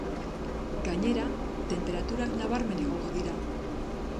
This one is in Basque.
Gainera, tenperaturak nabarmen igoko dira.